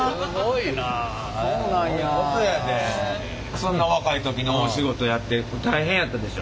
そんな若い時に大仕事やって大変やったでしょ？